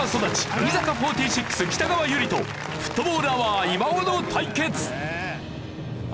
乃木坂４６北川悠理とフットボールアワー岩尾の対決。